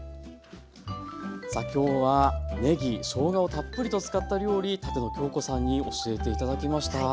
さあ今日はねぎ・しょうがをたっぷりと使った料理舘野鏡子さんに教えて頂きました。